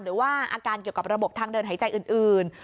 หรือว่าอาการเกี่ยวกับระบบทางเดินหายใจอื่น